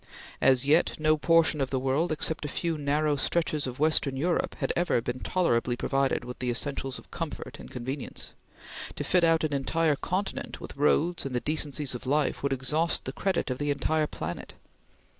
As yet, no portion of the world except a few narrow stretches of western Europe had ever been tolerably provided with the essentials of comfort and convenience; to fit out an entire continent with roads and the decencies of life would exhaust the credit of the entire planet.